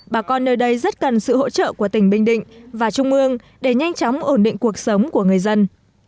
bà con nơi đây rất cần sự hỗ trợ của tỉnh bình định và trung ương để nhanh chóng ổn định cuộc sống của người dân